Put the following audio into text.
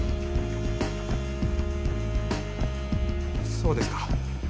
そうですか。